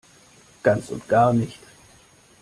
Ganz und gar nicht!